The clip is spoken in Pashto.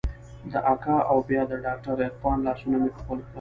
د اکا او بيا د ډاکتر عرفان لاسونه مې ښکل کړل.